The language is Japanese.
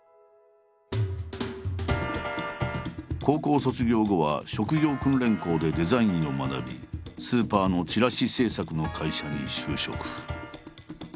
高校卒業後は職業訓練校でデザインを学びスーパーのチラシ制作の会社に就職。